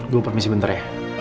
gue permisi bentar ya